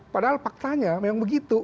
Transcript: padahal faktanya memang begitu